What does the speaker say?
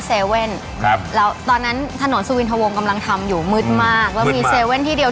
เว่นครับแล้วตอนนั้นถนนสุวินทะวงกำลังทำอยู่มืดมากแล้วมีเซเว่นที่เดียว